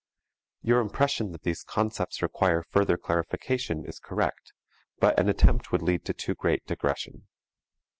Your impression that these concepts require further clarification is correct, but an attempt would lead to too great digression.